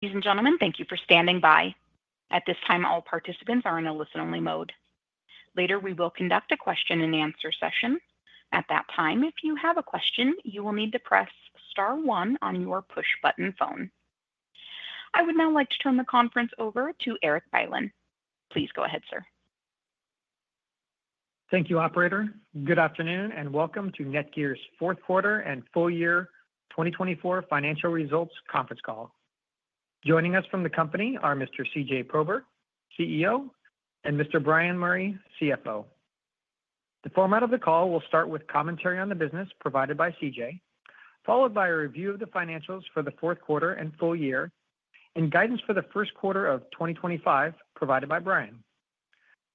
Ladies and gentlemen, thank you for standing by. At this time, all participants are in a listen-only mode. Later, we will conduct a question-and-answer session. At that time, if you have a question, you will need to press star one on your push-button phone. I would now like to turn the conference over to Erik Bylin. Please go ahead, sir. Thank you, Operator. Good afternoon and welcome to NETGEAR's fourth quarter and full year 2024 financial results conference call. Joining us from the company are Mr. CJ Prober, CEO, and Mr. Bryan Murray, CFO. The format of the call will start with commentary on the business provided by CJ, followed by a review of the financials for the fourth quarter and full year, and guidance for the first quarter of 2025 provided by Bryan.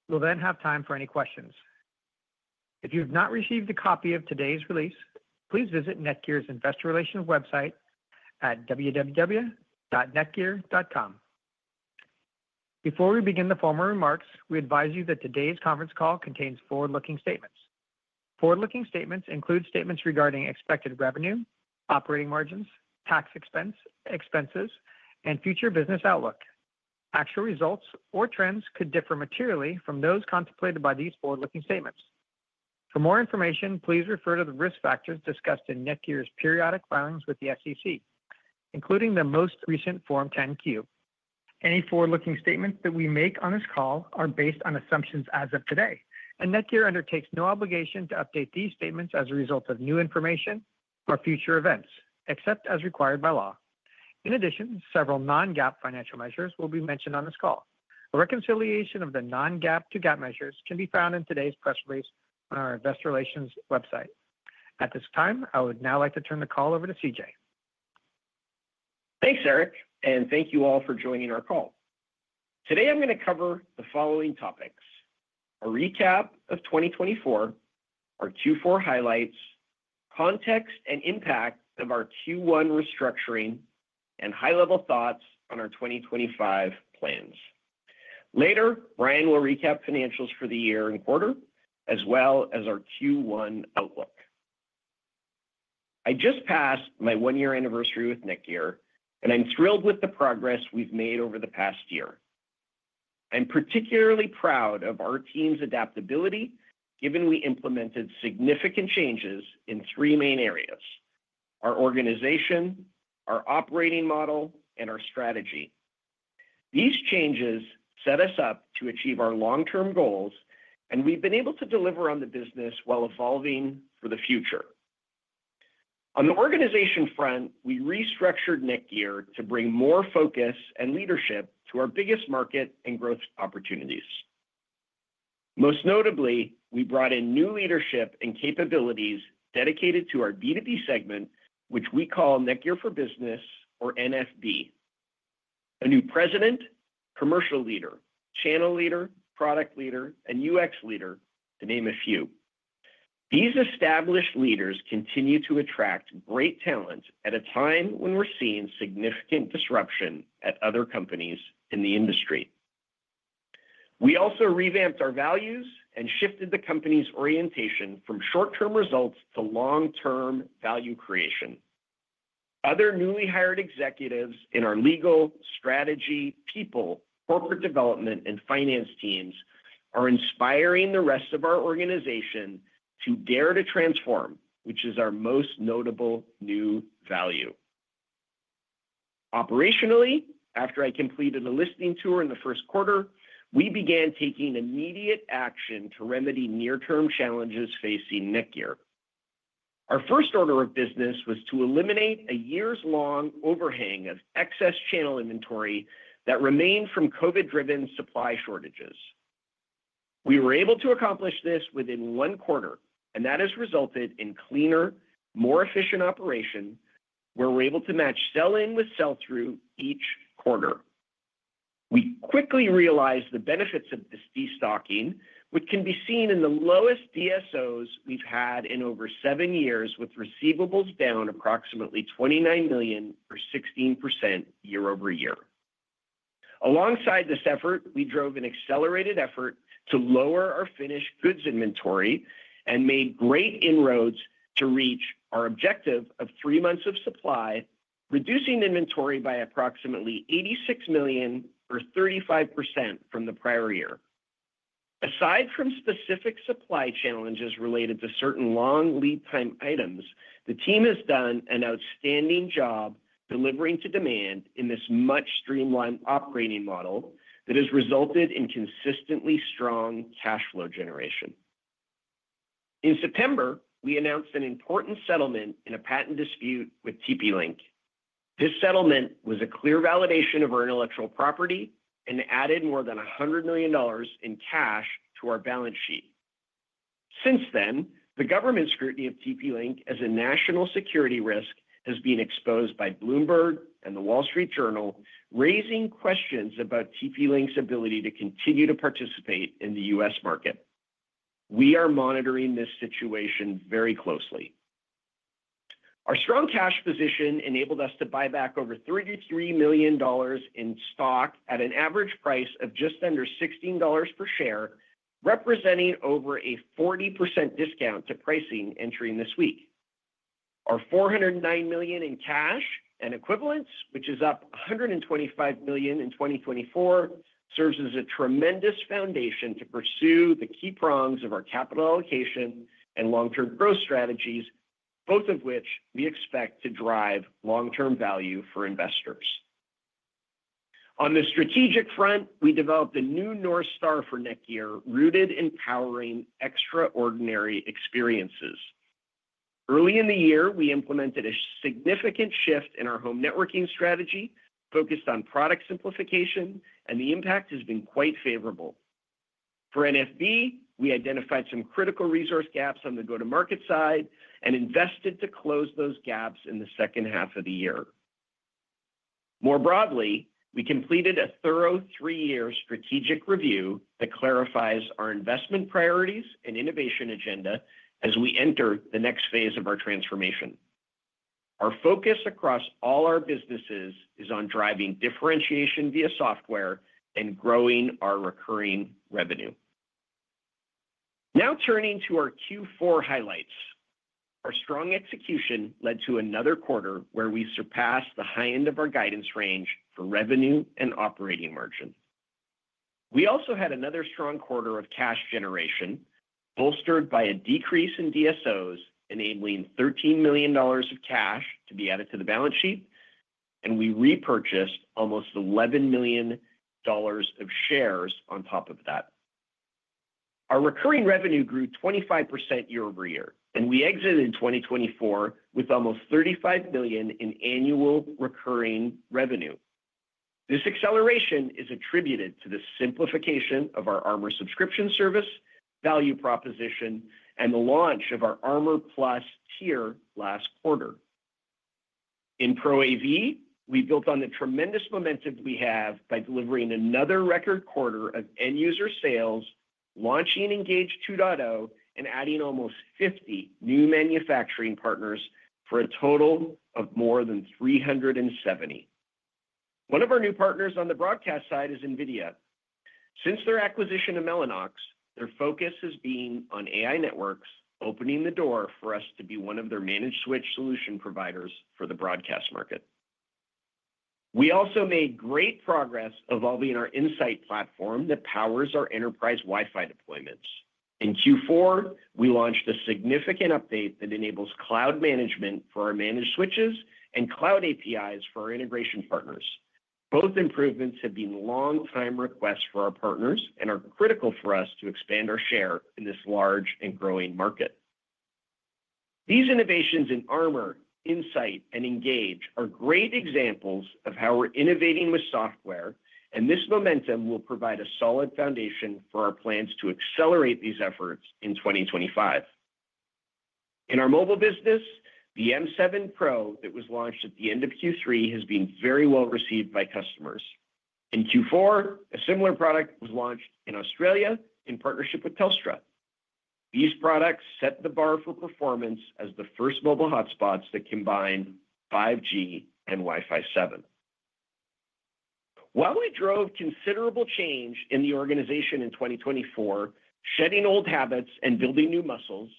We'll then have time for any questions. If you have not received a copy of today's release, please visit NETGEAR's investor relations website at www.netgear.com. Before we begin the formal remarks, we advise you that today's conference call contains forward-looking statements. Forward-looking statements include statements regarding expected revenue, operating margins, tax expenses, and future business outlook. Actual results or trends could differ materially from those contemplated by these forward-looking statements. For more information, please refer to the risk factors discussed in NETGEAR's periodic filings with the SEC, including the most recent Form 10-Q. Any forward-looking statements that we make on this call are based on assumptions as of today, and NETGEAR undertakes no obligation to update these statements as a result of new information or future events, except as required by law. In addition, several non-GAAP financial measures will be mentioned on this call. A reconciliation of the non-GAAP to GAAP measures can be found in today's press release on our investor relations website. At this time, I would now like to turn the call over to CJ. Thanks, Erik, and thank you all for joining our call. Today, I'm going to cover the following topics: a recap of 2024, our Q4 highlights, context and impact of our Q1 restructuring, and high-level thoughts on our 2025 plans. Later, Bryan will recap financials for the year and quarter, as well as our Q1 outlook. I just passed my one-year anniversary with NETGEAR, and I'm thrilled with the progress we've made over the past year. I'm particularly proud of our team's adaptability, given we implemented significant changes in three main areas: our organization, our operating model, and our strategy. These changes set us up to achieve our long-term goals, and we've been able to deliver on the business while evolving for the future. On the organization front, we restructured NETGEAR to bring more focus and leadership to our biggest market and growth opportunities. Most notably, we brought in new leadership and capabilities dedicated to our B2B segment, which we call NETGEAR for Business, or NFB, a new president, commercial leader, channel leader, product leader, and UX leader, to name a few. These established leaders continue to attract great talent at a time when we're seeing significant disruption at other companies in the industry. We also revamped our values and shifted the company's orientation from short-term results to long-term value creation. Other newly hired executives in our legal, strategy, people, corporate development, and finance teams are inspiring the rest of our organization to dare to transform, which is our most notable new value. Operationally, after I completed a listening tour in the first quarter, we began taking immediate action to remedy near-term challenges facing NETGEAR. Our first order of business was to eliminate a year's long overhang of excess channel inventory that remained from COVID-driven supply shortages. We were able to accomplish this within one quarter, and that has resulted in cleaner, more efficient operation, where we're able to match sell-in with sell-through each quarter. We quickly realized the benefits of this destocking, which can be seen in the lowest DSOs we've had in over seven years, with receivables down approximately $29 million or 16% year over year. Alongside this effort, we drove an accelerated effort to lower our finished goods inventory and made great inroads to reach our objective of three months of supply, reducing inventory by approximately $86 million, or 35%, from the prior year. Aside from specific supply challenges related to certain long lead-time items, the team has done an outstanding job delivering to demand in this much-streamlined operating model that has resulted in consistently strong cash flow generation. In September, we announced an important settlement in a patent dispute with TP-Link. This settlement was a clear validation of our intellectual property and added more than $100 million in cash to our balance sheet. Since then, the government scrutiny of TP-Link as a national security risk has been exposed by Bloomberg and The Wall Street Journal, raising questions about TP-Link's ability to continue to participate in the U.S. market. We are monitoring this situation very closely. Our strong cash position enabled us to buy back over $33 million in stock at an average price of just under $16 per share, representing over a 40% discount to pricing entering this week. Our $409 million in cash and equivalents, which is up $125 million in 2024, serves as a tremendous foundation to pursue the key prongs of our capital allocation and long-term growth strategies, both of which we expect to drive long-term value for investors. On the strategic front, we developed a new North Star for NETGEAR rooted in powering extraordinary experiences. Early in the year, we implemented a significant shift in our home networking strategy focused on product simplification, and the impact has been quite favorable. For NFB, we identified some critical resource gaps on the go-to-market side and invested to close those gaps in the second half of the year. More broadly, we completed a thorough three-year strategic review that clarifies our investment priorities and innovation agenda as we enter the next phase of our transformation. Our focus across all our businesses is on driving differentiation via software and growing our recurring revenue. Now turning to our Q4 highlights, our strong execution led to another quarter where we surpassed the high end of our guidance range for revenue and operating margin. We also had another strong quarter of cash generation, bolstered by a decrease in DSOs, enabling $13 million of cash to be added to the balance sheet, and we repurchased almost $11 million of shares on top of that. Our recurring revenue grew 25% year over year, and we exited in 2024 with almost $35 million in annual recurring revenue. This acceleration is attributed to the simplification of our Armor subscription service, value proposition, and the launch of our Armor Plus tier last quarter. In Pro AV, we built on the tremendous momentum we have by delivering another record quarter of end-user sales, launching Engage 2.0, and adding almost 50 new manufacturing partners for a total of more than 370. One of our new partners on the broadcast side is NVIDIA. Since their acquisition of Mellanox, their focus has been on AI networks, opening the door for us to be one of their managed switch solution providers for the broadcast market. We also made great progress evolving our Insight platform that powers our enterprise Wi-Fi deployments. In Q4, we launched a significant update that enables cloud management for our managed switches and cloud APIs for our integration partners. Both improvements have been long-time requests for our partners and are critical for us to expand our share in this large and growing market. These innovations in Armor, Insight, and Engage are great examples of how we're innovating with software, and this momentum will provide a solid foundation for our plans to accelerate these efforts in 2025. In our mobile business, the M7 Pro that was launched at the end of Q3 has been very well received by customers. In Q4, a similar product was launched in Australia in partnership with Telstra. These products set the bar for performance as the first mobile hotspots that combine 5G and Wi-Fi 7. While we drove considerable change in the organization in 2024, shedding old habits and building new muscles,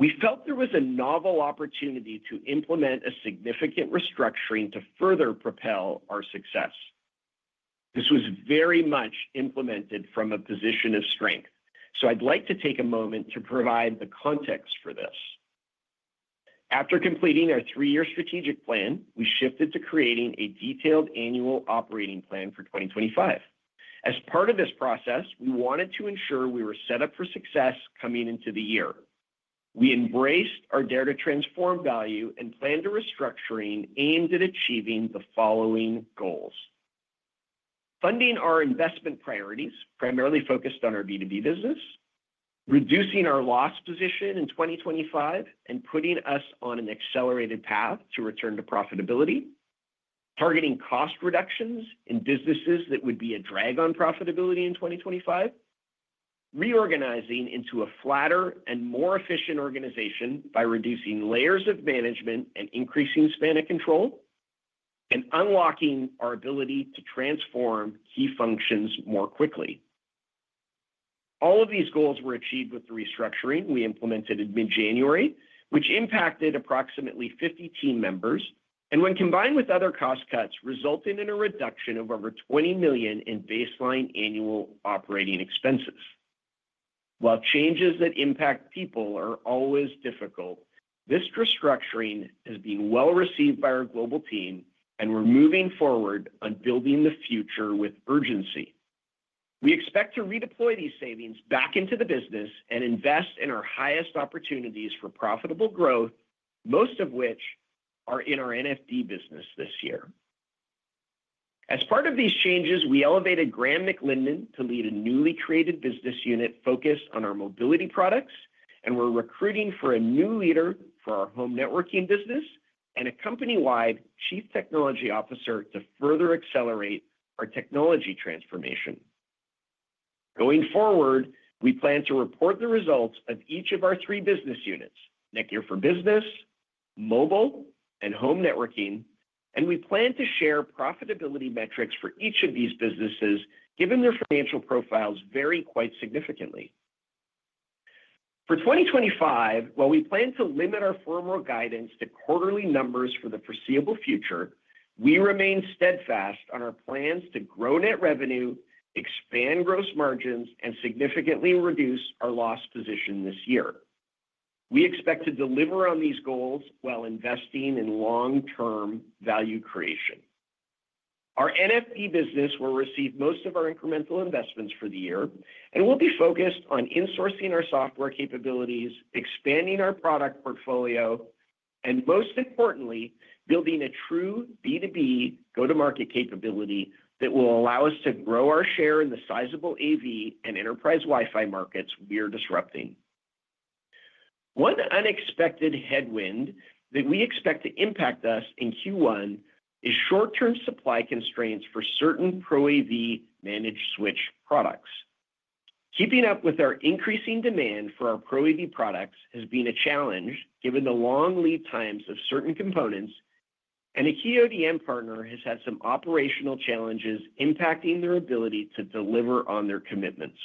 we felt there was a novel opportunity to implement a significant restructuring to further propel our success. This was very much implemented from a position of strength, so I'd like to take a moment to provide the context for this. After completing our three-year strategic plan, we shifted to creating a detailed annual operating plan for 2025. As part of this process, we wanted to ensure we were set up for success coming into the year. We embraced our dare to transform value and planned a restructuring aimed at achieving the following goals: funding our investment priorities, primarily focused on our B2B business, reducing our loss position in 2025 and putting us on an accelerated path to return to profitability, targeting cost reductions in businesses that would be a drag on profitability in 2025, reorganizing into a flatter and more efficient organization by reducing layers of management and increasing span of control, and unlocking our ability to transform key functions more quickly. All of these goals were achieved with the restructuring we implemented in mid-January, which impacted approximately 50 team members and, when combined with other cost cuts, resulted in a reduction of over $20 million in baseline annual operating expenses. While changes that impact people are always difficult, this restructuring has been well received by our global team, and we're moving forward on building the future with urgency. We expect to redeploy these savings back into the business and invest in our highest opportunities for profitable growth, most of which are in our NFB business this year. As part of these changes, we elevated Graham McLindon to lead a newly created business unit focused on our mobility products, and we're recruiting for a new leader for our home networking business and a company-wide chief technology officer to further accelerate our technology transformation. Going forward, we plan to report the results of each of our three business units: NETGEAR for Business, Mobile, and Home Networking, and we plan to share profitability metrics for each of these businesses, given their financial profiles vary quite significantly. For 2025, while we plan to limit our formal guidance to quarterly numbers for the foreseeable future, we remain steadfast on our plans to grow net revenue, expand gross margins, and significantly reduce our loss position this year. We expect to deliver on these goals while investing in long-term value creation. Our NFB business will receive most of our incremental investments for the year, and we'll be focused on insourcing our software capabilities, expanding our product portfolio, and, most importantly, building a true B2B go-to-market capability that will allow us to grow our share in the sizable AV and enterprise Wi-Fi markets we are disrupting. One unexpected headwind that we expect to impact us in Q1 is short-term supply constraints for certain Pro AV managed switch products. Keeping up with our increasing demand for our Pro AV products has been a challenge given the long lead times of certain components, and a key ODM partner has had some operational challenges impacting their ability to deliver on their commitments.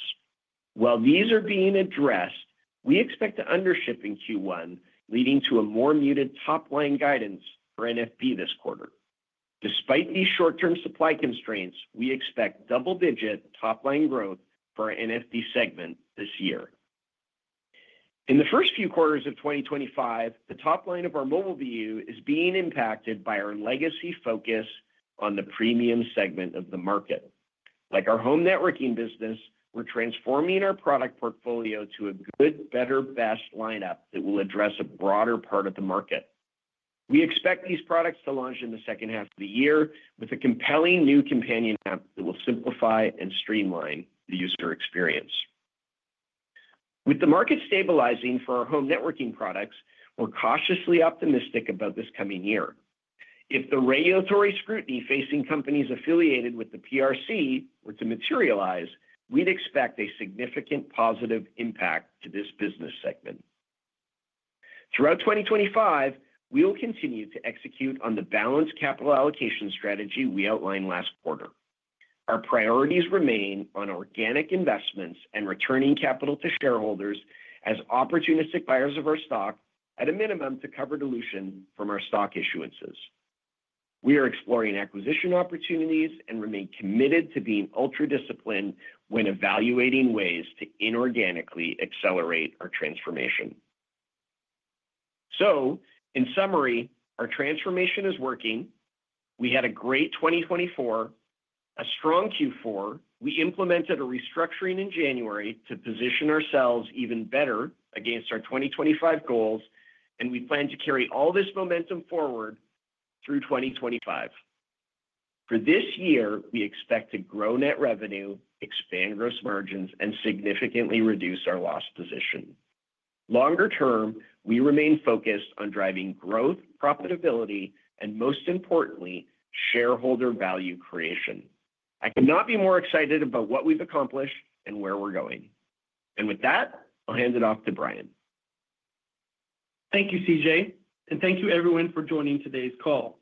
While these are being addressed, we expect to under-ship in Q1, leading to a more muted top-line guidance for NFB this quarter. Despite these short-term supply constraints, we expect double-digit top-line growth for our NFB segment this year. In the first few quarters of 2025, the top line of our mobile BU is being impacted by our legacy focus on the premium segment of the market. Like our home networking business, we're transforming our product portfolio to a good, better, best lineup that will address a broader part of the market. We expect these products to launch in the second half of the year with a compelling new companion app that will simplify and streamline the user experience. With the market stabilizing for our home networking products, we're cautiously optimistic about this coming year. If the regulatory scrutiny facing companies affiliated with the PRC were to materialize, we'd expect a significant positive impact to this business segment. Throughout 2025, we will continue to execute on the balanced capital allocation strategy we outlined last quarter. Our priorities remain on organic investments and returning capital to shareholders as opportunistic buyers of our stock, at a minimum to cover dilution from our stock issuances. We are exploring acquisition opportunities and remain committed to being ultra-disciplined when evaluating ways to inorganically accelerate our transformation. So, in summary, our transformation is working. We had a great 2024, a strong Q4. We implemented a restructuring in January to position ourselves even better against our 2025 goals, and we plan to carry all this momentum forward through 2025. For this year, we expect to grow net revenue, expand gross margins, and significantly reduce our loss position. Longer term, we remain focused on driving growth, profitability, and, most importantly, shareholder value creation. I could not be more excited about what we've accomplished and where we're going. And with that, I'll hand it off to Bryan. Thank you, CJ, and thank you, everyone, for joining today's call.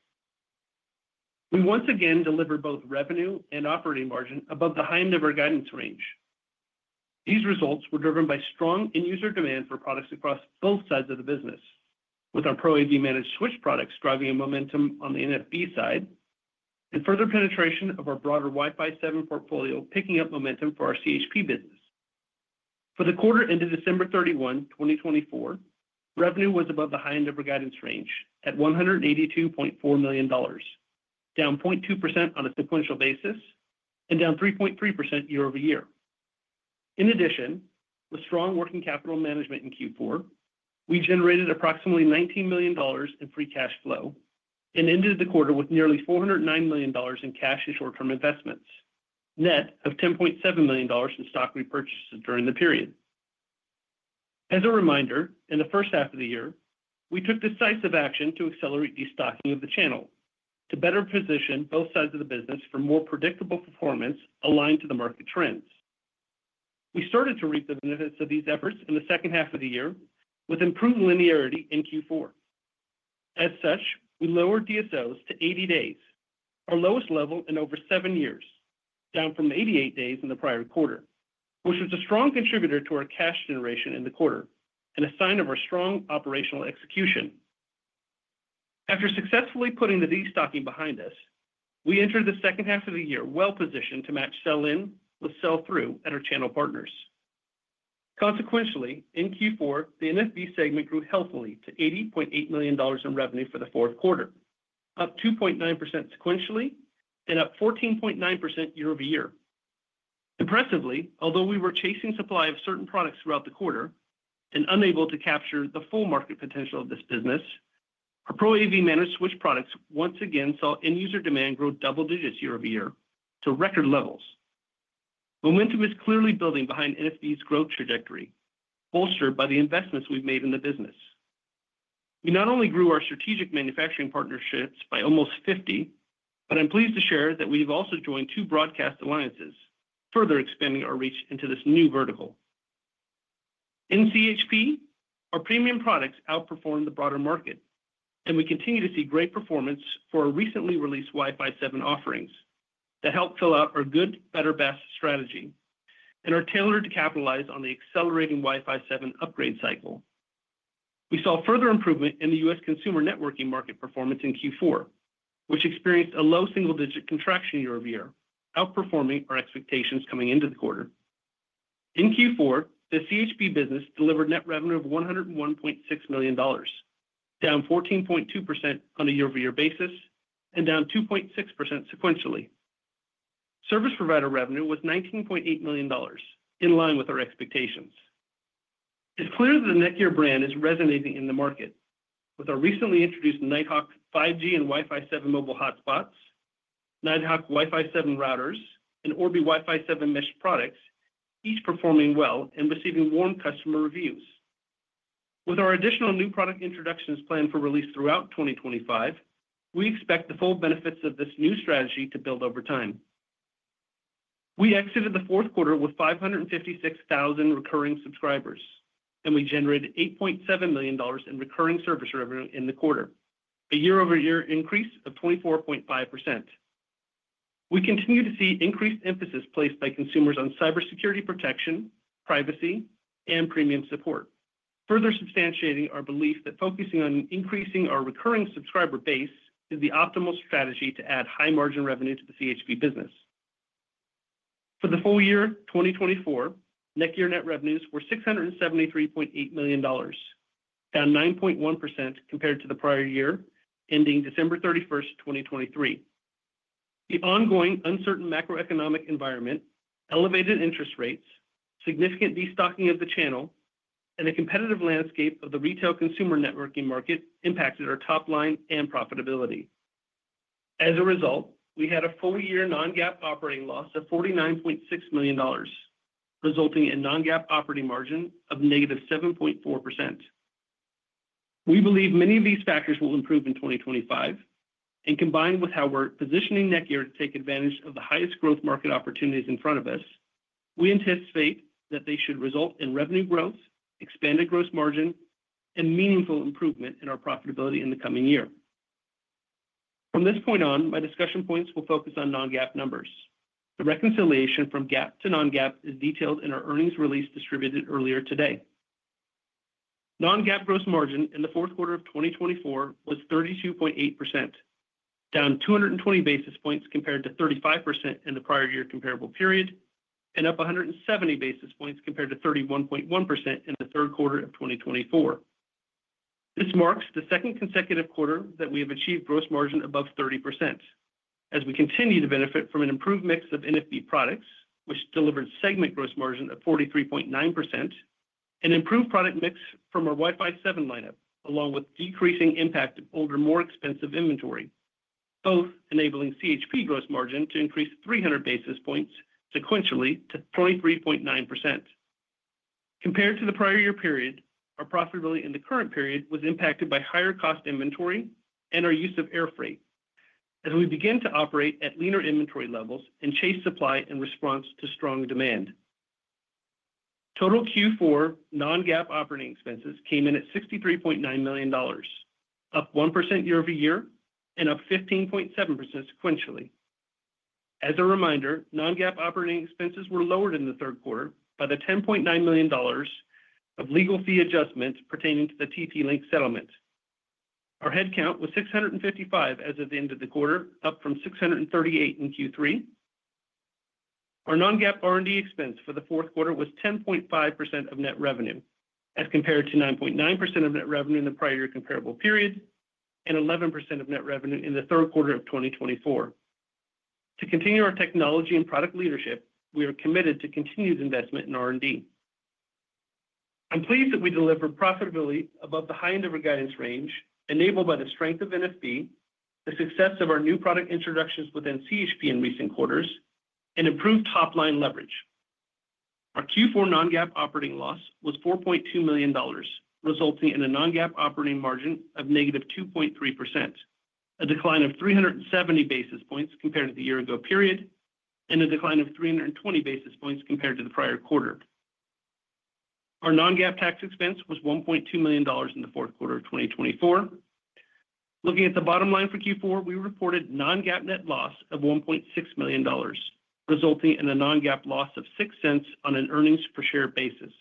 We once again delivered both revenue and operating margin above the high end of our guidance range. These results were driven by strong end-user demand for products across both sides of the business, with our Pro AV managed switch products driving momentum on the NFB side and further penetration of our broader Wi-Fi 7 portfolio picking up momentum for our CHP business. For the quarter end of December 31, 2024, revenue was above the high end of our guidance range at $182.4 million, down 0.2% on a sequential basis and down 3.3% year over year. In addition, with strong working capital management in Q4, we generated approximately $19 million in free cash flow and ended the quarter with nearly $409 million in cash and short-term investments, net of $10.7 million in stock repurchases during the period. As a reminder, in the first half of the year, we took decisive action to accelerate destocking of the channel to better position both sides of the business for more predictable performance aligned to the market trends. We started to reap the benefits of these efforts in the second half of the year with improved linearity in Q4. As such, we lowered DSOs to 80 days, our lowest level in over seven years, down from the 88 days in the prior quarter, which was a strong contributor to our cash generation in the quarter and a sign of our strong operational execution. After successfully putting the destocking behind us, we entered the second half of the year well-positioned to match sell-in with sell-through at our channel partners. Consequentially, in Q4, the NFB segment grew healthily to $80.8 million in revenue for the fourth quarter, up 2.9% sequentially and up 14.9% year over year. Impressively, although we were chasing supply of certain products throughout the quarter and unable to capture the full market potential of this business, our Pro AV managed switch products once again saw end-user demand grow double digits year over year to record levels. Momentum is clearly building behind NFB's growth trajectory, bolstered by the investments we've made in the business. We not only grew our strategic manufacturing partnerships by almost 50, but I'm pleased to share that we've also joined two broadcast alliances, further expanding our reach into this new vertical. In CHP, our premium products outperformed the broader market, and we continue to see great performance for our recently released Wi-Fi 7 offerings that help fill out our good, better, best strategy and are tailored to capitalize on the accelerating Wi-Fi 7 upgrade cycle. We saw further improvement in the U.S. consumer networking market performance in Q4, which experienced a low single-digit contraction year over year, outperforming our expectations coming into the quarter. In Q4, the CHP business delivered net revenue of $101.6 million, down 14.2% on a year-over-year basis and down 2.6% sequentially. Service provider revenue was $19.8 million, in line with our expectations. It's clear that the NETGEAR brand is resonating in the market, with our recently introduced Nighthawk 5G and Wi-Fi 7 mobile hotspots, Nighthawk Wi-Fi 7 routers, and Orbi Wi-Fi 7 mesh products each performing well and receiving warm customer reviews. With our additional new product introductions planned for release throughout 2025, we expect the full benefits of this new strategy to build over time. We exited the fourth quarter with 556,000 recurring subscribers, and we generated $8.7 million in recurring service revenue in the quarter, a year-over-year increase of 24.5%. We continue to see increased emphasis placed by consumers on cybersecurity protection, privacy, and premium support, further substantiating our belief that focusing on increasing our recurring subscriber base is the optimal strategy to add high-margin revenue to the CHP business. For the full year 2024, NETGEAR net revenues were $673.8 million, down 9.1% compared to the prior year ending December 31, 2023. The ongoing uncertain macroeconomic environment, elevated interest rates, significant destocking of the channel, and the competitive landscape of the retail consumer networking market impacted our top line and profitability. As a result, we had a full-year non-GAAP operating loss of $49.6 million, resulting in non-GAAP operating margin of negative 7.4%. We believe many of these factors will improve in 2025, and combined with how we're positioning NETGEAR to take advantage of the highest growth market opportunities in front of us, we anticipate that they should result in revenue growth, expanded gross margin, and meaningful improvement in our profitability in the coming year. From this point on, my discussion points will focus on non-GAAP numbers. The reconciliation from GAAP to non-GAAP is detailed in our earnings release distributed earlier today. Non-GAAP gross margin in the fourth quarter of 2024 was 32.8%, down 220 basis points compared to 35% in the prior year comparable period, and up 170 basis points compared to 31.1% in the third quarter of 2024. This marks the second consecutive quarter that we have achieved gross margin above 30%, as we continue to benefit from an improved mix of NFB products, which delivered segment gross margin of 43.9%, an improved product mix from our Wi-Fi 7 lineup, along with decreasing impact of older, more expensive inventory, both enabling CHP gross margin to increase 300 basis points sequentially to 23.9%. Compared to the prior year period, our profitability in the current period was impacted by higher cost inventory and our use of air freight, as we begin to operate at leaner inventory levels and chase supply in response to strong demand. Total Q4 non-GAAP operating expenses came in at $63.9 million, up 1% year over year and up 15.7% sequentially. As a reminder, non-GAAP operating expenses were lowered in the third quarter by the $10.9 million of legal fee adjustments pertaining to the TP-Link settlement. Our headcount was 655 as of the end of the quarter, up from 638 in Q3. Our non-GAAP R&D expense for the fourth quarter was 10.5% of net revenue, as compared to 9.9% of net revenue in the prior year comparable period and 11% of net revenue in the third quarter of 2024. To continue our technology and product leadership, we are committed to continued investment in R&D. I'm pleased that we delivered profitability above the high end of our guidance range, enabled by the strength of NFB, the success of our new product introductions within CHP in recent quarters, and improved top-line leverage. Our Q4 non-GAAP operating loss was $4.2 million, resulting in a non-GAAP operating margin of negative 2.3%, a decline of 370 basis points compared to the year-ago period, and a decline of 320 basis points compared to the prior quarter. Our non-GAAP tax expense was $1.2 million in the fourth quarter of 2024. Looking at the bottom line for Q4, we reported non-GAAP net loss of $1.6 million, resulting in a non-GAAP loss of $0.06 on an earnings per share basis.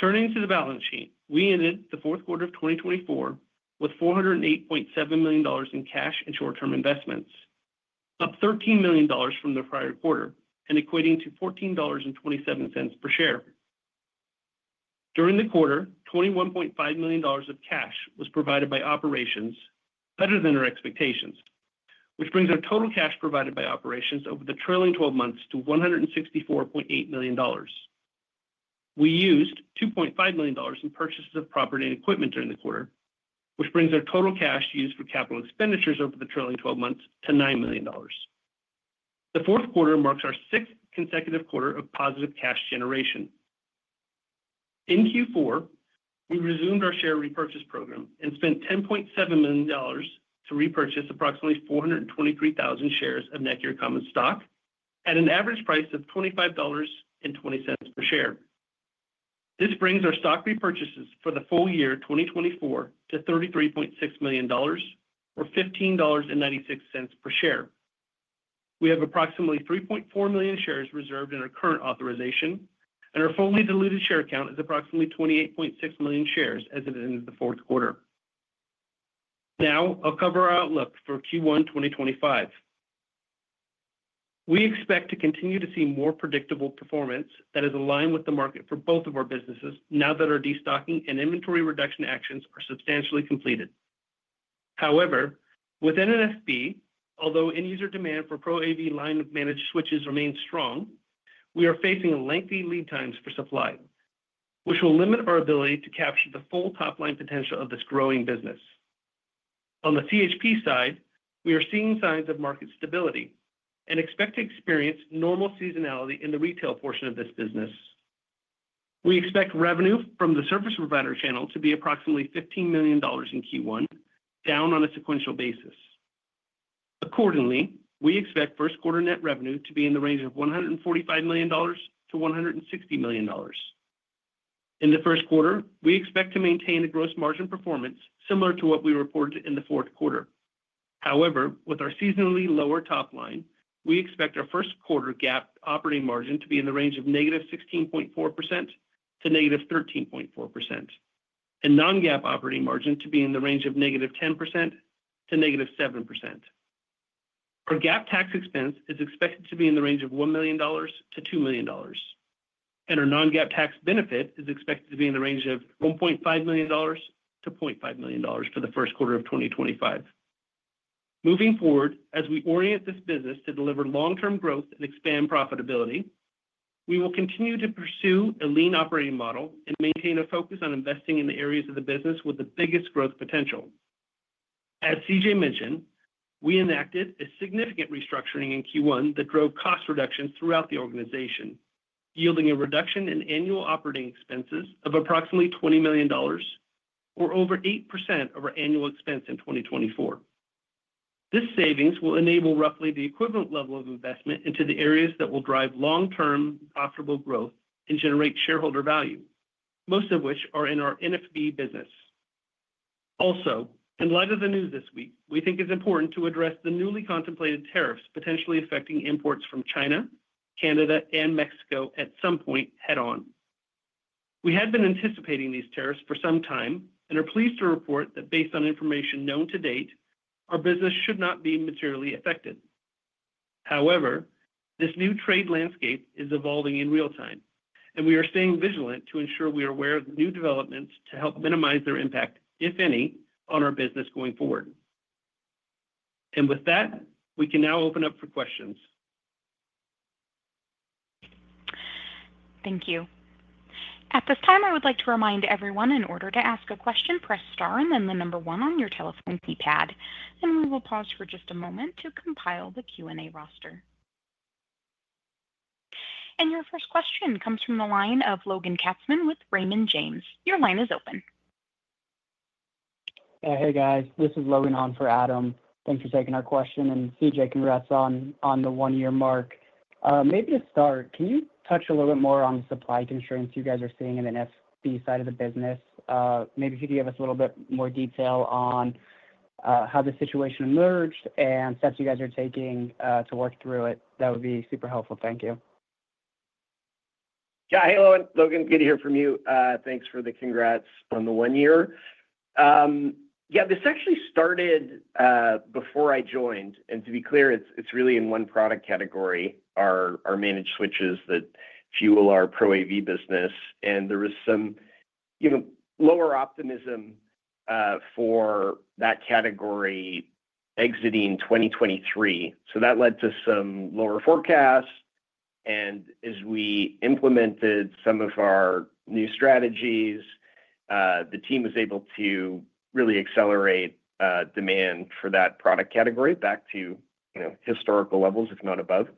Turning to the balance sheet, we ended the fourth quarter of 2024 with $408.7 million in cash and short-term investments, up $13 million from the prior quarter, and equating to $14.27 per share. During the quarter, $21.5 million of cash was provided by operations, better than our expectations, which brings our total cash provided by operations over the trailing 12 months to $164.8 million. We used $2.5 million in purchases of property and equipment during the quarter, which brings our total cash used for capital expenditures over the trailing 12 months to $9 million. The fourth quarter marks our sixth consecutive quarter of positive cash generation. In Q4, we resumed our share repurchase program and spent $10.7 million to repurchase approximately 423,000 shares of NETGEAR Common Stock at an average price of $25.20 per share. This brings our stock repurchases for the full year 2024 to $33.6 million, or $15.96 per share. We have approximately 3.4 million shares reserved in our current authorization, and our fully diluted share count is approximately 28.6 million shares as of the end of the fourth quarter. Now, I'll cover our outlook for Q1 2025. We expect to continue to see more predictable performance that is aligned with the market for both of our businesses now that our destocking and inventory reduction actions are substantially completed. However, within NFB, although end-user demand for Pro AV line-managed switches remains strong, we are facing lengthy lead times for supply, which will limit our ability to capture the full top-line potential of this growing business. On the CHP side, we are seeing signs of market stability and expect to experience normal seasonality in the retail portion of this business. We expect revenue from the service provider channel to be approximately $15 million in Q1, down on a sequential basis. Accordingly, we expect first quarter net revenue to be in the range of $145 million-$160 million. In the first quarter, we expect to maintain a gross margin performance similar to what we reported in the fourth quarter. However, with our seasonally lower top line, we expect our first quarter GAAP operating margin to be in the range of negative 16.4% to negative 13.4%, and non-GAAP operating margin to be in the range of negative 10% to negative 7%. Our GAAP tax expense is expected to be in the range of $1 million-$2 million, and our non-GAAP tax benefit is expected to be in the range of $1.5 million-$0.5 million for the first quarter of 2025. Moving forward, as we orient this business to deliver long-term growth and expand profitability, we will continue to pursue a lean operating model and maintain a focus on investing in the areas of the business with the biggest growth potential. As CJ mentioned, we enacted a significant restructuring in Q1 that drove cost reductions throughout the organization, yielding a reduction in annual operating expenses of approximately $20 million, or over 8% of our annual expense in 2024. This savings will enable roughly the equivalent level of investment into the areas that will drive long-term profitable growth and generate shareholder value, most of which are in our NFB business. Also, in light of the news this week, we think it's important to address the newly contemplated tariffs potentially affecting imports from China, Canada, and Mexico at some point head-on. We had been anticipating these tariffs for some time and are pleased to report that based on information known to date, our business should not be materially affected. However, this new trade landscape is evolving in real time, and we are staying vigilant to ensure we are aware of the new developments to help minimize their impact, if any, on our business going forward, and with that, we can now open up for questions. Thank you. At this time, I would like to remind everyone in order to ask a question, press star and then the number one on your telephone keypad, and we will pause for just a moment to compile the Q&A roster. Your first question comes from the line of Logan Katzman with Raymond James. Your line is open. Hey, guys. This is Logan on for Adam. Thanks for taking our question. And CJ, congrats on the one-year mark. Maybe to start, can you touch a little bit more on the supply constraints you guys are seeing in the NFB side of the business? Maybe if you could give us a little bit more detail on how the situation emerged and steps you guys are taking to work through it, that would be super helpful. Thank you. Yeah. Hey, Logan. Good to hear from you. Thanks for the congrats on the one-year. Yeah, this actually started before I joined. And to be clear, it's really in one product category, our managed switches that fuel our Pro AV business. And there was some lower optimism for that category exiting 2023. So that led to some lower forecasts. And as we implemented some of our new strategies, the team was able to really accelerate demand for that product category back to historical levels, if not above.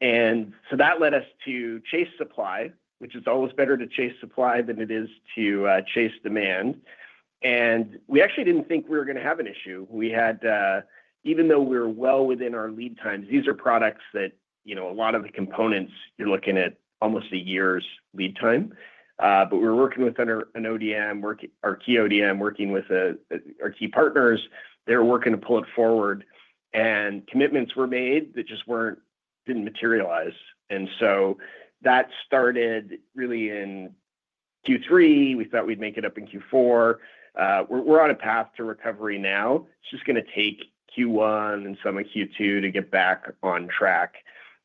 And so that led us to chase supply, which is always better to chase supply than it is to chase demand. And we actually didn't think we were going to have an issue. Even though we were well within our lead times, these are products that a lot of the components you're looking at almost a year's lead time. But we were working with an ODM, our key ODM, working with our key partners. They were working to pull it forward, and commitments were made that just didn't materialize. And so that started really in Q3. We thought we'd make it up in Q4. We're on a path to recovery now. It's just going to take Q1 and some of Q2 to get back on track.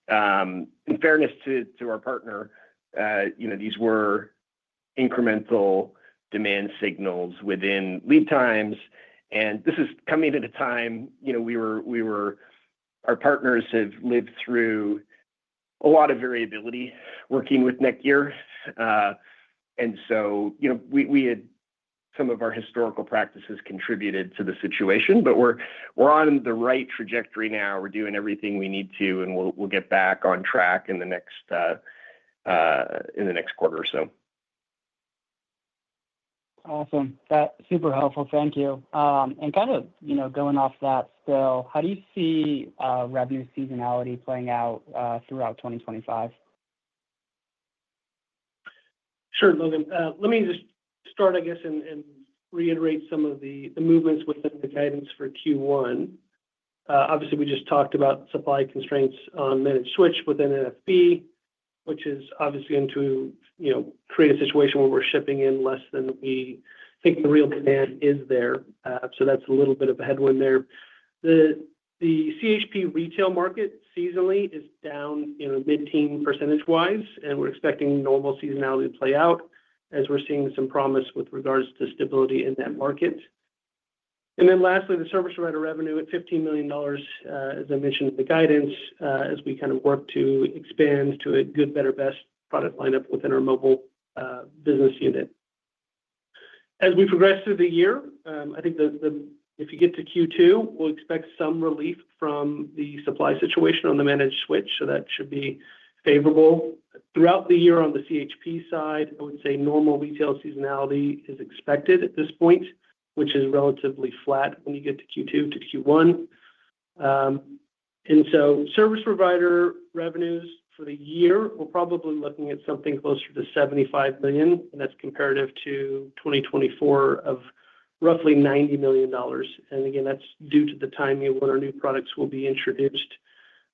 In fairness to our partner, these were incremental demand signals within lead times, and this is coming at a time when our partners have lived through a lot of variability working with NETGEAR. And so some of our historical practices contributed to the situation, but we're on the right trajectory now. We're doing everything we need to, and we'll get back on track in the next quarter or so. Awesome. That's super helpful. Thank you. Kind of going off that still, how do you see revenue seasonality playing out throughout 2025? Sure, Logan. Let me just start, I guess, and reiterate some of the movements within the guidance for Q1. Obviously, we just talked about supply constraints on managed switch within NFB, which is obviously going to create a situation where we're shipping in less than we think the real demand is there. So that's a little bit of a headwind there. The CHP retail market seasonally is down mid-teens percentage-wise, and we're expecting normal seasonality to play out as we're seeing some promise with regards to stability in that market. And then lastly, the service provider revenue at $15 million, as I mentioned in the guidance, as we kind of work to expand to a good, better, best product lineup within our mobile business unit. As we progress through the year, I think if you get to Q2, we'll expect some relief from the supply situation on the managed switch. So that should be favorable. Throughout the year on the CHP side, I would say normal retail seasonality is expected at this point, which is relatively flat when you get to Q2 to Q1, and so service provider revenues for the year, we're probably looking at something closer to $75 million, and that's compared to 2024 of roughly $90 million. Again, that's due to the timing when our new products will be introduced,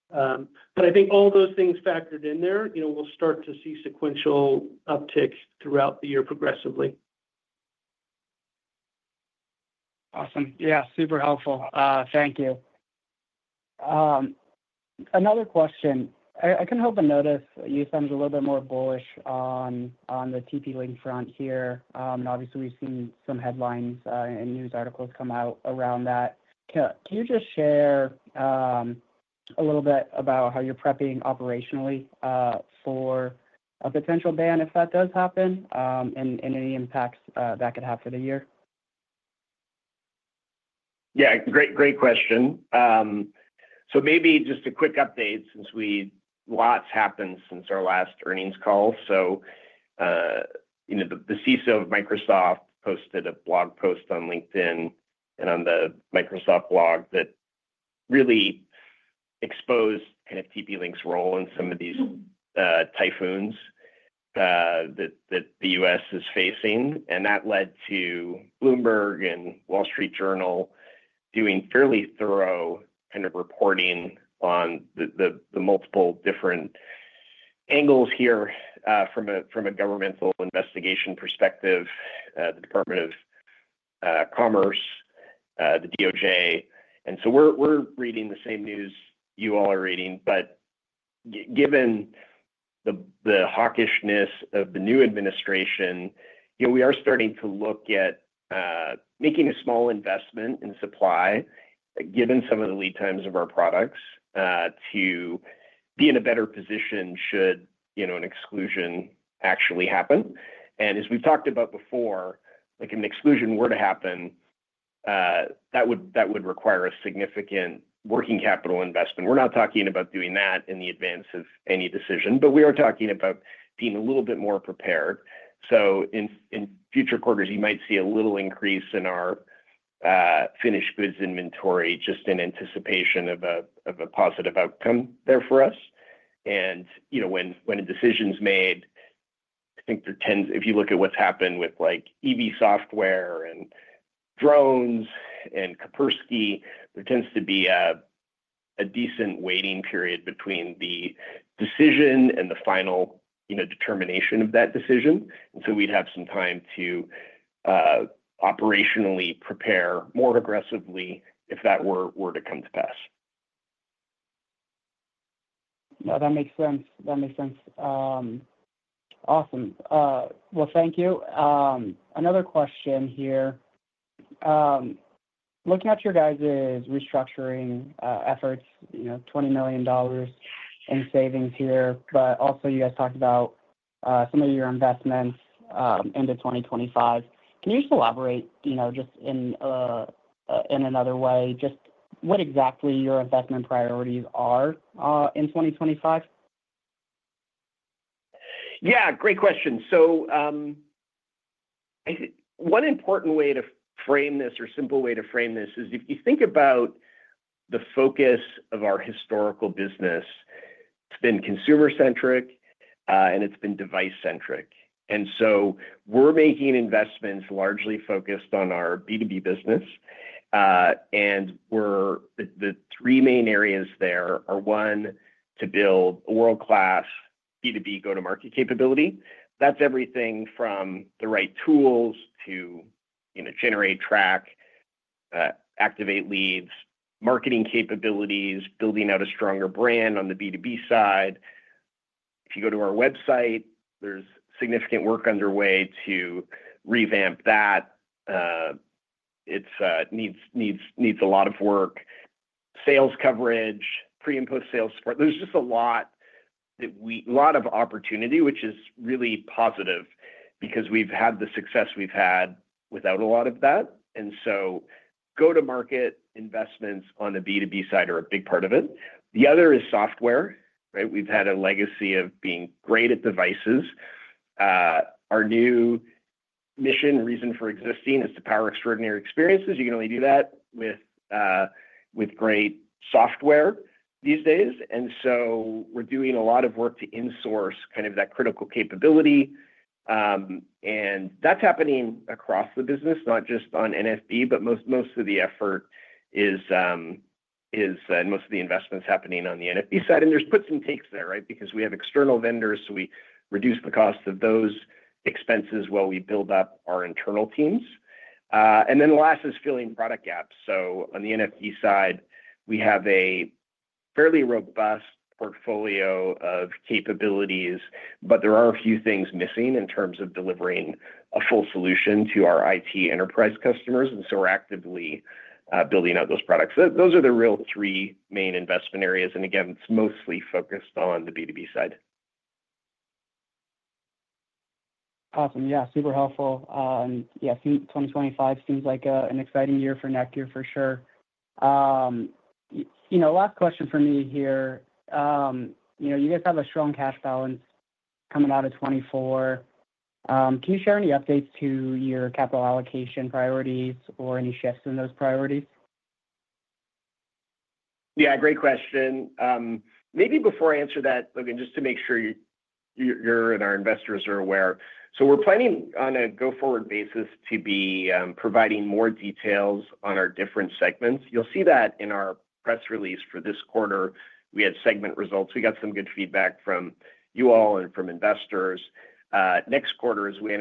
but I think all those things factored in there, we'll start to see sequential upticks throughout the year progressively. Awesome. Yeah, super helpful. Thank you. Another question. I can't help but notice you sound a little bit more bullish on the TP-Link front here. Obviously, we've seen some headlines and news articles come out around that. Can you just share a little bit about how you're prepping operationally for a potential ban, if that does happen, and any impacts that could have for the year? Yeah. Great question, so maybe just a quick update since lots happened since our last earnings call, so the CISO of Microsoft posted a blog post on LinkedIn and on the Microsoft blog that really exposed kind of TP-Link's role in some of these typhoons that the U.S. is facing, and that led to Bloomberg and Wall Street Journal doing fairly thorough kind of reporting on the multiple different angles here from a governmental investigation perspective, the U.S. Department of Commerce, the DOJ, and so we're reading the same news you all are reading. But given the hawkishness of the new administration, we are starting to look at making a small investment in supply, given some of the lead times of our products, to be in a better position should an exclusion actually happen. And as we've talked about before, if an exclusion were to happen, that would require a significant working capital investment. We're not talking about doing that in advance of any decision, but we are talking about being a little bit more prepared. So in future quarters, you might see a little increase in our finished goods inventory just in anticipation of a positive outcome there for us. And when a decision's made, I think there tends, if you look at what's happened with EV software and drones and Kaspersky, there tends to be a decent waiting period between the decision and the final determination of that decision. And so we'd have some time to operationally prepare more aggressively if that were to come to pass. That makes sense. That makes sense. Awesome. Well, thank you. Another question here. Looking at your guys' restructuring efforts, $20 million in savings here, but also you guys talked about some of your investments into 2025. Can you just elaborate just in another way just what exactly your investment priorities are in 2025? Yeah. Great question. So one important way to frame this or simple way to frame this is if you think about the focus of our historical business, it's been consumer-centric, and it's been device-centric. And so we're making investments largely focused on our B2B business. And the three main areas there are, one, to build world-class B2B go-to-market capability. That's everything from the right tools to generate, track, activate leads, marketing capabilities, building out a stronger brand on the B2B side. If you go to our website, there's significant work underway to revamp that. It needs a lot of work. Sales coverage, pre- and post-sales support. There's just a lot that we have a lot of opportunity, which is really positive because we've had the success we've had without a lot of that, so go-to-market investments on the B2B side are a big part of it. The other is software, right? We've had a legacy of being great at devices. Our new mission, reason for existing, is to power extraordinary experiences. You can only do that with great software these days, so we're doing a lot of work to insource kind of that critical capability. And that's happening across the business, not just on NFB, but most of the effort is and most of the investment's happening on the NFB side. And there's puts and takes there, right? Because we have external vendors, so we reduce the cost of those expenses while we build up our internal teams. And then the last is filling product gaps. So on the NFB side, we have a fairly robust portfolio of capabilities, but there are a few things missing in terms of delivering a full solution to our IT enterprise customers. And so we're actively building out those products. Those are the real three main investment areas. And again, it's mostly focused on the B2B side. Awesome. Yeah, super helpful. Yeah, 2025 seems like an exciting year for NETGEAR for sure. Last question for me here. You guys have a strong cash balance coming out of 2024. Can you share any updates to your capital allocation priorities or any shifts in those priorities? Yeah, great question. Maybe before I answer that, Logan, just to make sure you and our investors are aware. So we're planning on a go-forward basis to be providing more details on our different segments. You'll see that in our press release for this quarter. We had segment results. We got some good feedback from you all and from investors. Next quarter, as we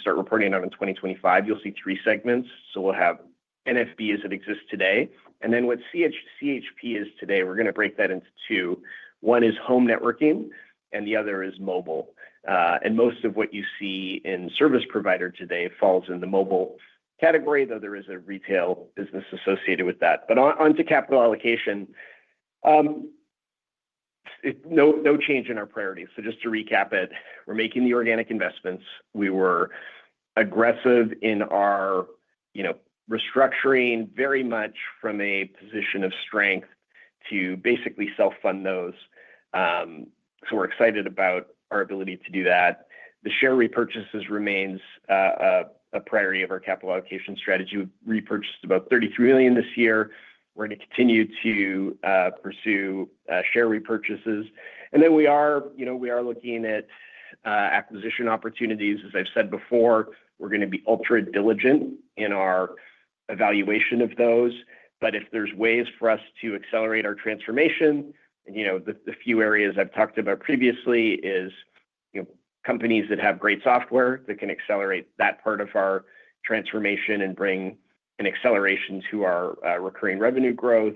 start reporting on in 2025, you'll see three segments. So we'll have NFB as it exists today. And then what CHP is today, we're going to break that into two. One is home networking, and the other is mobile. And most of what you see in service provider today falls in the mobile category, though there is a retail business associated with that. But onto capital allocation, no change in our priorities. So just to recap it, we're making the organic investments. We were aggressive in our restructuring very much from a position of strength to basically self-fund those. So we're excited about our ability to do that. The share repurchases remain a priority of our capital allocation strategy. We've repurchased about $33 million this year. We're going to continue to pursue share repurchases. And then we are looking at acquisition opportunities. As I've said before, we're going to be ultra-diligent in our evaluation of those. But if there's ways for us to accelerate our transformation, the few areas I've talked about previously are companies that have great software that can accelerate that part of our transformation and bring an acceleration to our recurring revenue growth,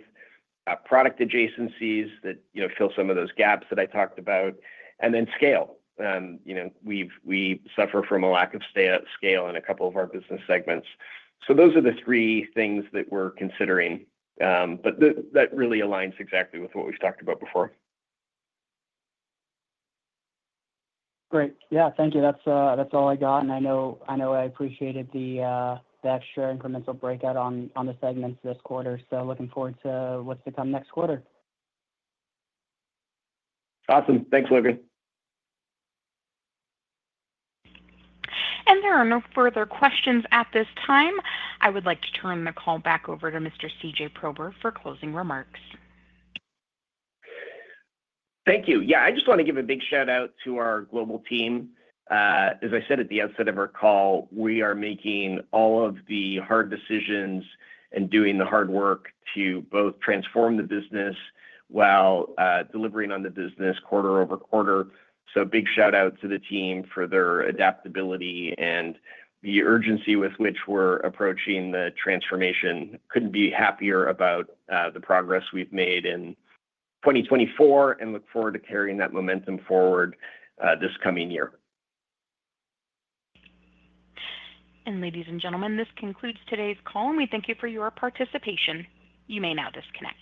product adjacencies that fill some of those gaps that I talked about, and then scale. We suffer from a lack of scale in a couple of our business segments. So those are the three things that we're considering. But that really aligns exactly with what we've talked about before. Great. Yeah. Thank you. That's all I got. And I know I appreciated the extra incremental breakout on the segments this quarter. So looking forward to what's to come next quarter. Awesome. Thanks, Logan. And there are no further questions at this time. I would like to turn the call back over to Mr. CJ Prober for closing remarks. Thank you. Yeah. I just want to give a big shout-out to our global team. As I said at the outset of our call, we are making all of the hard decisions and doing the hard work to both transform the business while delivering on the business quarter over quarter. So big shout-out to the team for their adaptability and the urgency with which we're approaching the transformation. Couldn't be happier about the progress we've made in 2024 and look forward to carrying that momentum forward this coming year. And ladies and gentlemen, this concludes today's call, and we thank you for your participation. You may now disconnect.